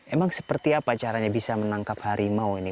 emang seperti apa caranya bisa menangkap harimau ini